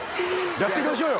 やって行きましょうよ。